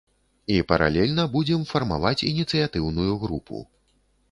І паралельна будзем фармаваць ініцыятыўную групу.